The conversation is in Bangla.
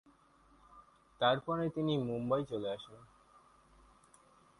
তারপরে তিনি মুম্বাই চলে আসেন।